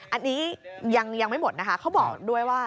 อันนี้ยังไม่หมดนะคะเขาบอกด้วยว่า